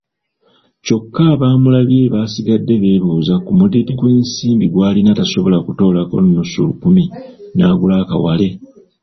Kyoka abaamulabye baasigade beebuuza ku mudidi gw'ensimbi gw'alina tasobola kutoolako nnusu lukumi n'agula akawale!